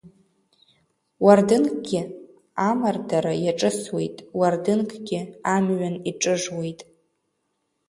Уардынкгьы амардара иаҿысуеит, уардынкгьы амҩан иҿыжуеит…